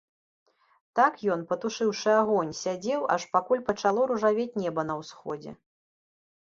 Так ён, патушыўшы агонь, сядзеў, аж пакуль пачало ружавець неба на ўсходзе.